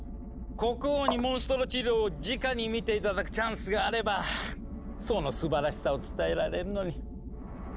国王にモンストロ治療をじかに見て頂くチャンスがあればそのすばらしさを伝えられるのに。